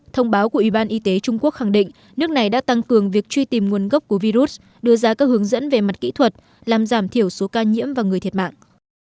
thông báo của ủy ban y tế trung quốc khẳng định nước này đã tăng cường việc truy tìm nguồn gốc của virus đưa ra các hướng dẫn về mặt kỹ thuật làm giảm thiểu số ca nhiễm và người thiệt mạng